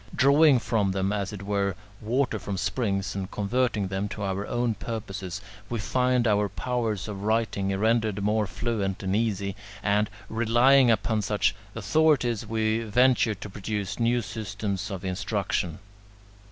Drawing from them as it were water from springs, and converting them to our own purposes, we find our powers of writing rendered more fluent and easy, and, relying upon such authorities, we venture to produce new systems of instruction.